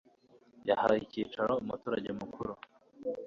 Yahaye icyicaro umuturage mukuru.